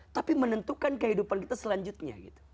tapi menentukan kehidupan kita selanjutnya